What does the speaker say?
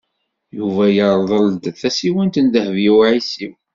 Yuba yerḍel-d tasiwant n Dehbiya u Ɛisiw.